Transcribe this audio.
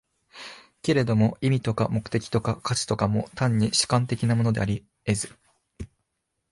けれども意味とか目的とか価値とかも、単に主観的なものであり得ず、